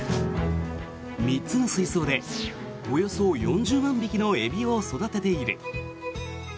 ３つの水槽でおよそ４０万匹のエビを育てている。